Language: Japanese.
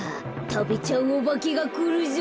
たべちゃうおばけがくるぞ。